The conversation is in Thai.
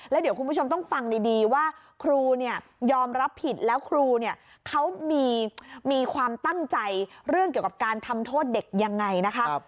แล้วเดี๋ยวคุณผู้ชมต้องฟังดีว่าครูเนี่ยยอมรับผิดแล้วครูเนี่ยเขามีความตั้งใจเรื่องเกี่ยวกับการทำโทษเด็กยังไงนะคะ